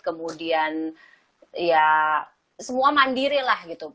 kemudian ya semua mandiri lah gitu